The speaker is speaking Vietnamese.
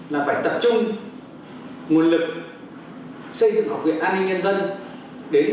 là phải tập trung nguồn lực xây dựng học viện an ninh nhân dân đến năm hai nghìn hai mươi năm